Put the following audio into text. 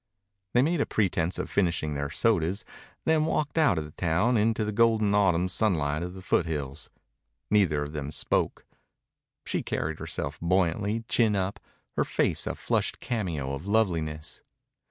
They made a pretense of finishing their sodas, then walked out of the town into the golden autumn sunlight of the foothills. Neither of them spoke. She carried herself buoyantly, chin up, her face a flushed cameo of loveliness.